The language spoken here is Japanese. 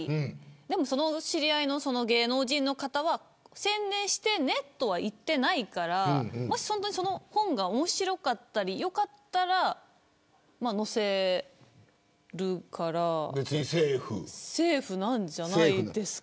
でも、知り合いの芸能人の方は宣伝してねとは言ってないからもし本当にその本が面白かったり良かったら載せるからセーフなんじゃないですか。